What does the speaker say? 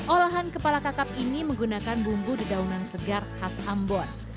olahan kepala kakap ini menggunakan bumbu dedaunan segar khas ambon